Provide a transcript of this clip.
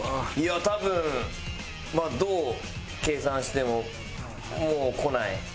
多分まあどう計算してももう来ない。